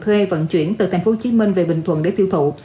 thuê vận chuyển từ tp hcm về bình thuận để tiêu thụ